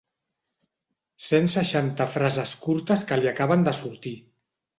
Cent seixanta frases curtes que li acaben de sortir.